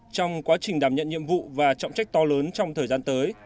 trong quá trình đảm nhận nhiệm vụ và trọng trách to lớn trong thời gian tới